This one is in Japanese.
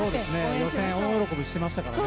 予選大喜びしていましたからね。